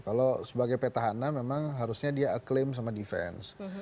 kalau sebagai petahana memang harusnya dia aclaim sama defense